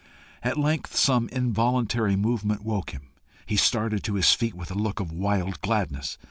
At length some involuntary movement woke him. He started to his feet with a look of wild gladness.